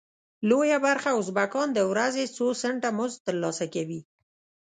لویه برخه ازبکان د ورځې څو سنټه مزد تر لاسه کوي.